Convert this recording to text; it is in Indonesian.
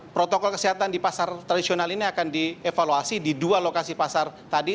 protokol kesehatan di pasar tradisional ini akan dievaluasi di dua lokasi pasar tadi